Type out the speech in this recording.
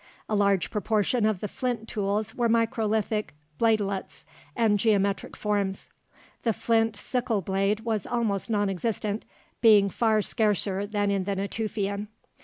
A large proportion of the flint tools were microlithic bladelets and geometric forms. The flint sickle blade was almost non existent, being far scarcer than in the Natufian.